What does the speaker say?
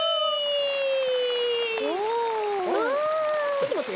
ちょっとまって。